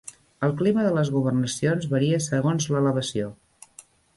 El clima de les governacions varia segons l'elevació.